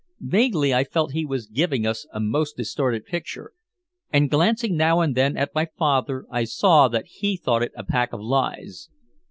Vaguely I felt he was giving us a most distorted picture, and glancing now and then at my father I saw that he thought it a pack of lies.